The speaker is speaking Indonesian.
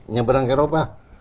nyeberang ke eropa